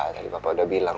tadi papa udah bilang